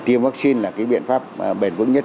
tiêm vaccine là cái biện pháp bền vững nhất